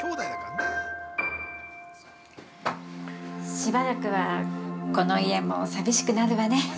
◆しばらくはこの家も寂しくなるわね。